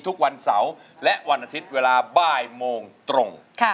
ทุกวันเสาร์และวันอาทิตย์เวลาบ่ายโมงตรง